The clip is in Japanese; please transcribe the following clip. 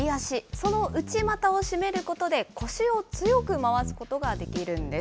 その内股を締めることで腰を強く回すことができるんです。